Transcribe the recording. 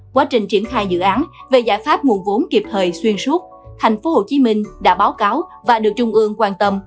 quá trình triển khai dự án về giải pháp nguồn vốn kịp thời xuyên suốt tp hcm đã báo cáo và được trung ương quan tâm